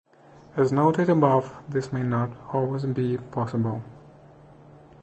As noted above, this may not always be possible.